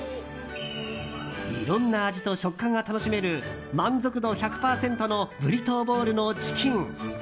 いろんな味と食感が楽しめる満足度１００％のブリトーボウルのチキン。